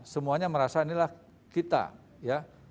semuanya merasa inilah kita